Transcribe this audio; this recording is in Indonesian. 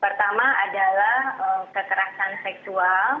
pertama adalah kekerasan seksual